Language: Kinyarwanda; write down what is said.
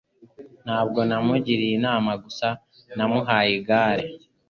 Ntabwo namugiriye inama gusa, namuhaye igare.